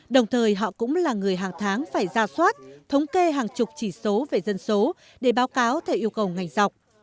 đồng thời họ cũng là người hàng tháng phải ra soát thống kê hàng chục chỉ số về dân số để báo cáo theo yêu cầu ngành dọc